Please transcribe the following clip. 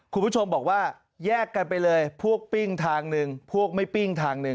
คุณผู้ชมบอกว่าแยกกันไปเลยพวกปิ้งทางหนึ่งพวกไม่ปิ้งทางหนึ่ง